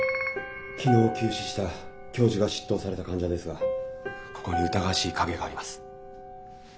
昨日急死した教授が執刀された患者ですがここに疑わしい影があります。